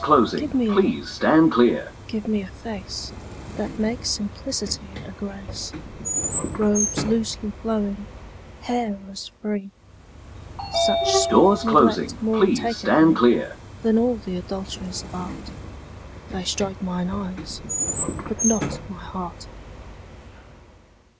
Give me a look, give me a face That makes simplicity a grace; Robes loosely flowing, hair as free: Such sweet neglect more taketh me 10 Than all th' adulteries of art; They strike mine eyes, but not my heart.